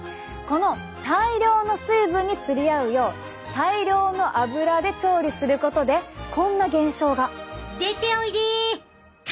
この大量の水分に釣り合うよう大量の油で調理することでこんな現象が。